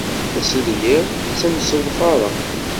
Ass d yiḍ ttemseḍfaren.